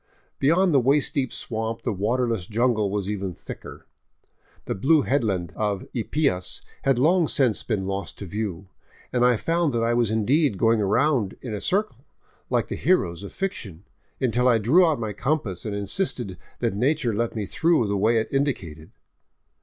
Be yond the waist deep swamp the waterless jungle was even thicker. The blue headland of Ypias had long since been lost to view, and I found that I was indeed going round in a circle, like the heroes of fic tion, until I drew out my compass and insisted that nature let me through the way it indicated.